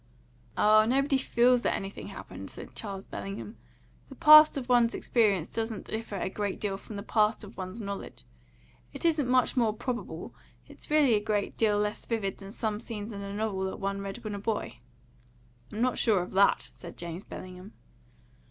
"Ah, nobody FEELS that anything happened," said Charles Bellingham. "The past of one's experience doesn't differ a great deal from the past of one's knowledge. It isn't much more probable; it's really a great deal less vivid than some scenes in a novel that one read when a boy." "I'm not sure of that," said James Bellingham.